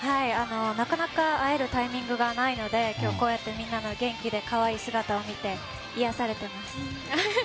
なかなか会えるタイミングがないので今日、こうやってみんなの元気で可愛い姿を見て癒やされています。